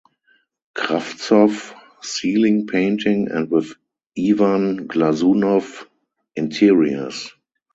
Kravtsov (ceiling painting) and with Ivan Glazunov (interiors).